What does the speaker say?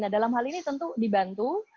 nah dalam hal ini tentu dibantu